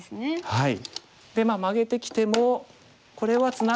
はい。